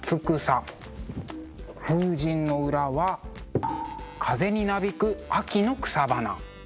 風神の裏は風になびく秋の草花。